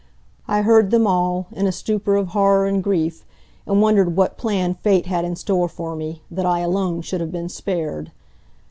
I heard them all, in a stupor of horror and grief, and wondered what plan Fate had in store for me, that I alone should have been spared.